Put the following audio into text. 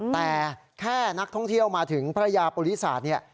แต่แค่นักท่องเที่ยวมาถึงพระยาปุริศาสตร์เนี่ย